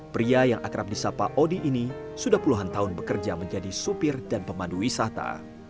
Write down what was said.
pria yang akrab di sapa odi ini sudah puluhan tahun bekerja menjadi supir dan pemandu wisata